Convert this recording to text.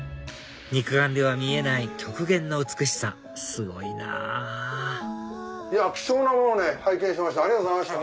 肉眼では見えない極限の美しさすごいなぁ貴重なもの拝見しましたありがとうございました。